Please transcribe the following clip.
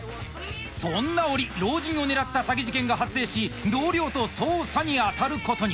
そんな折老人を狙った詐欺事件が発生し同僚と捜査に当たることに。